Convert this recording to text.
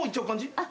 あっ。